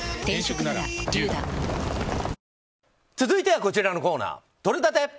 続いてはこちらのコーナーとれたて！